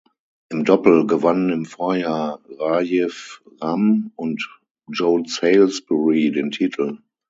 Im Doppel gewannen im Vorjahr Rajeev Ram und Joe Salisbury den Titel.